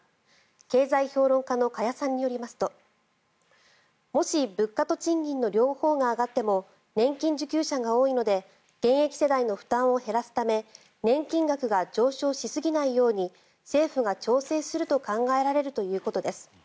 経済評論家の加谷さんによりますともし物価と賃金の両方が上がっても年金受給者が多いので現役世代の負担を減らすため年金額が上昇しすぎないように政府が調整すると考えられるということです。